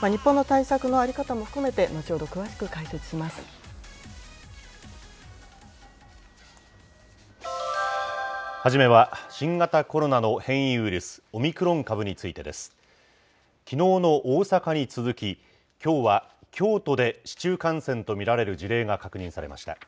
日本の対策の在り方も含めて、後初めは、新型コロナの変異ウイルス、オミクロン株についてです。きのうの大阪に続き、きょうは京都で市中感染と見られる事例が確認されました。